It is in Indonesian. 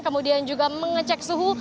kemudian juga mengecek suhu